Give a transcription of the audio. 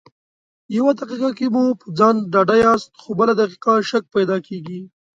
يو دقيقه کې مو په ځان ډاډه ياست خو بله دقيقه شک پیدا کېږي.